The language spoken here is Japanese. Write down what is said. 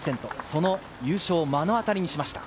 その優勝を目の当たりにしました。